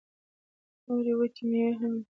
نورې وچې مېوې هم وې.